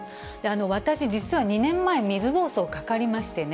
私、実は２年前、水ぼうそうかかりましてね。